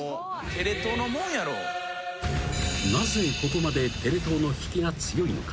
［なぜここまでテレ東の引きが強いのか？］